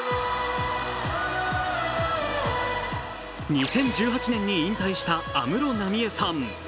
２０１８年に引退した安室奈美恵さん。